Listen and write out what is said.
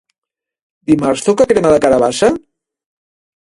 Dimarts toca crema de carabassa?